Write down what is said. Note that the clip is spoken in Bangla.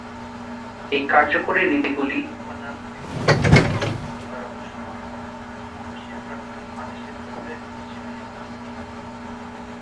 এই কার্যকরী নীতিগুলি, উপাদান, অপরিহার্য, বা রহস্যময়, মহাবিশ্বের প্রাকৃতিক আদেশের অভিব্যক্তি হিসাবে সম্পর্কযুক্ত।